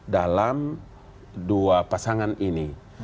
dalam dua pasangan ini